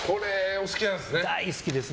お好きなんですね？